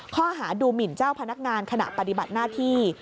ข้อหาดูหมินเจ้าพนักงานขณะปฏิบัติหน้าที่